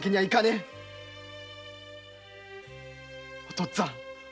お父っつぁん。